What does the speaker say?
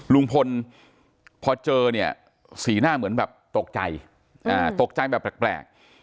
ลุงพลพอเจอเนี่ยสีหน้าเหมือนแบบตกใจตกใจแบบแปลก